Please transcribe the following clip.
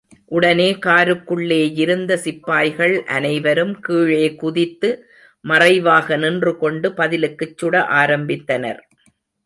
உடனே காருக்குள்ளேயிருந்த சிப்பாய்கள் அனைவரும் கீழே குதித்து மறைவாக நின்று கொண்டு பதிலுக்குச் சுட ஆரம்பித்தனர்.